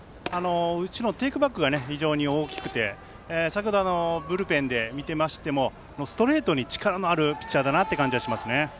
内のテイクバックが先ほど、ブルペンで見てましてもストレートに力のあるピッチャーだなという感じがしますね。